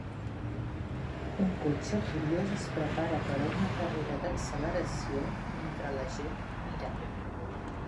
Un cotxe curiós es prepara per a una carrera d'acceleració mentre la gent mira.